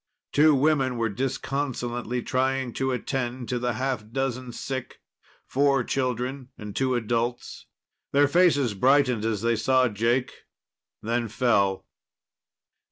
Two women were disconsolately trying to attend to the half dozen sick four children and two adults. Their faces brightened as they saw Jake, then fell.